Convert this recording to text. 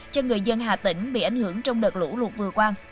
cho người dân hà tĩnh bị ảnh hưởng trong đợt lũ lụt vừa qua